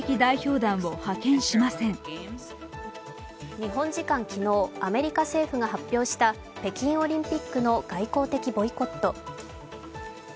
日本時間昨日、アメリカ政府が発表した北京オリンピックの外交的ボイコット。